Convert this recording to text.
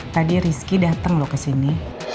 tadi rizky dateng lo ke sini